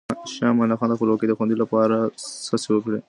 شاه امان الله خان د خپلواکۍ د خوندي کولو لپاره هڅې وکړې.